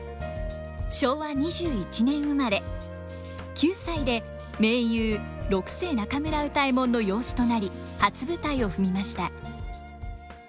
９歳で名優六世中村歌右衛門の養子となり初舞台を踏みました。